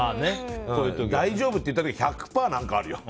大丈夫って言った時１００％何かあるよ。